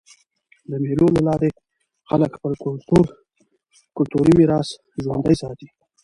د مېلو له لاري خلک خپل کلتوري میراث ژوندى ساتي.